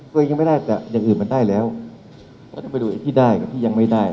ตัวเองยังไม่ได้แต่อย่างอื่นมันได้แล้วก็ต้องไปดูไอ้ที่ได้กับพี่ยังไม่ได้